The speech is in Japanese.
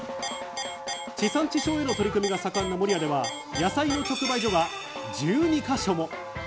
地産地消への取り組みが盛んな守谷では野菜の直売所が１２か所も。